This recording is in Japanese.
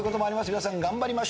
皆さん頑張りましょう。